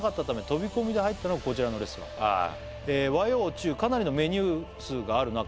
「飛び込みで入ったのがこちらのレストラン」「和洋中かなりのメニュー数がある中」